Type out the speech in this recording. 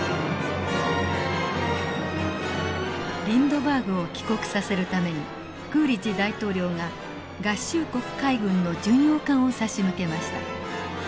リンドバーグを帰国させるためにクーリッジ大統領が合衆国海軍の巡洋艦を差し向けました。